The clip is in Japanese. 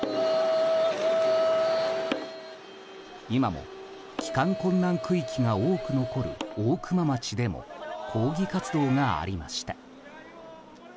今も帰還困難区域が多く残る大熊町でも抗議活動がありました。